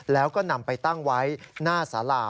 แล้วก็นำไปตั้งไว้หน้าสารา